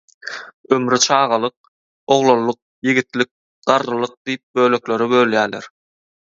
Ömri «çagalyk», «oglanlyk», «ýigitlik», «garrylyk» diýip böleklere bölýäler.